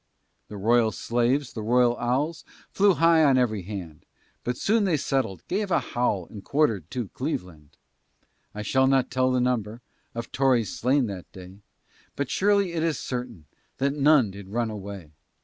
The royal slaves, the royal owls, Flew high on every hand; But soon they settled gave a howl, And quarter'd to Cleveland. I would not tell the number Of Tories slain that day, But surely it is certain That none did run away.